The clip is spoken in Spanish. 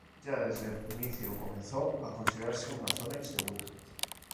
Ya desde el inicio comenzó a considerarse una zona insegura.